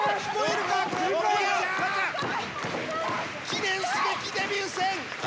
記念すべきデビュー戦！